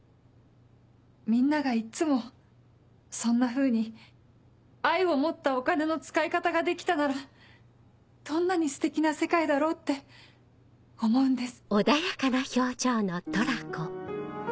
みんながいっつもそんなふうに愛を持ったお金の使い方ができたならどんなにステキな世界だろうって思うんです。